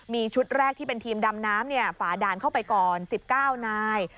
มีชุดแรกที่เป็นทีมดำน้ำฝ่าด่านเข้าไปก่อน๑๙นาย